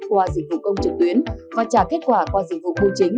qua dịch vụ công trực tuyến và trả kết quả qua dịch vụ bưu chính